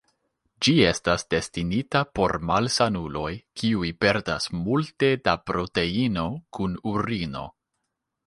Ĝi estas destinita por malsanuloj kiuj perdas multe da proteino kun urino.